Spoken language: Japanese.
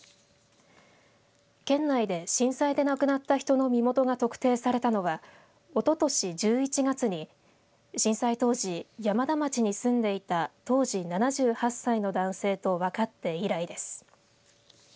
県内で震災で亡くなった人の身元が特定されたのはおととし１１月に震災当時山田町に住んでいた当時７８歳の男性と分かって以来です。